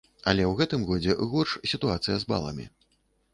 Але ў гэтым годзе горш сітуацыя з баламі.